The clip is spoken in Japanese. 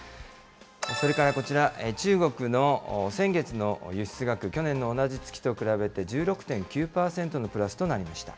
それからこちら、中国の先月の輸出額、去年の同じ月と比べて１６．９％のプラスとなりました。